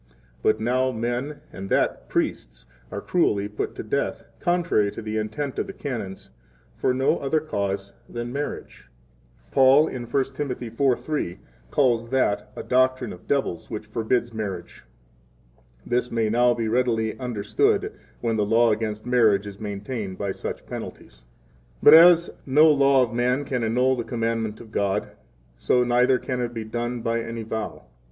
21 But now men, and that, priests, are cruelly put to death, contrary to the intent of the Canons, for no other cause than 22 marriage. Paul, in 1 Tim. 4:3, calls that a doctrine of devils which forbids marriage. 23 This may now be readily understood when the law against marriage is maintained by such penalties. 24 But as no law of man can annul the commandment of God, so neither can it be done by any vow.